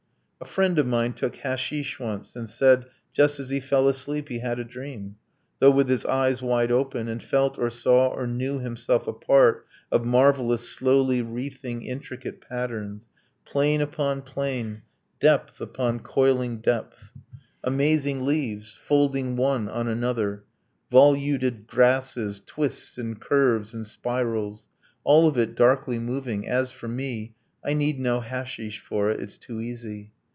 . A friend of mine took hasheesh once, and said Just as he fell asleep he had a dream, Though with his eyes wide open, And felt, or saw, or knew himself a part Of marvelous slowly wreathing intricate patterns, Plane upon plane, depth upon coiling depth, Amazing leaves, folding one on another, Voluted grasses, twists and curves and spirals All of it darkly moving ... as for me, I need no hasheesh for it it's too easy!